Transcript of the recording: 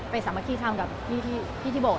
สามัคคีทำกับพี่ที่บอก